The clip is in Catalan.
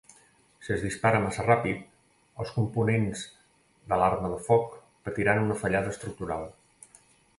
Si es dispara massa ràpid, els components de l'arma de foc patiran una fallada estructural.